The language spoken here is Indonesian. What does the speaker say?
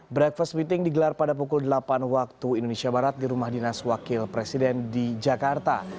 breakfast meeting digelar pada pukul delapan waktu indonesia barat di rumah dinas wakil presiden di jakarta